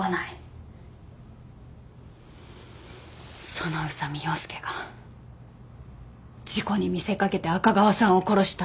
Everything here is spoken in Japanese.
その宇佐美洋介が事故に見せ掛けて赤川さんを殺した。